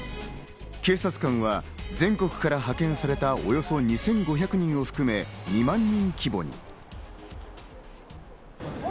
警察官は全国から派遣されたおよそ２５００人を含め、２万人規模に。